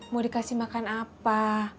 mau dikasih makan apa